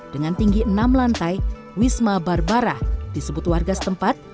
dengan tinggi enam lantai wisma barbarah disebut warga setempat